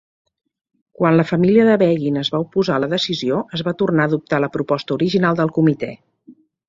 Quan la família de Begin es va oposar a la decisió, es va tornar a adoptar la proposta original del comitè.